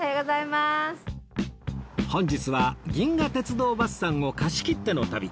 本日は銀河鉄道バスさんを貸し切っての旅